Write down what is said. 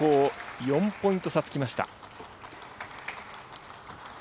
４ポイント差つきました。